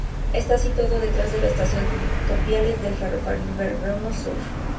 Está situado detrás de la estación Tapiales del Ferrocarril Belgrano Sur.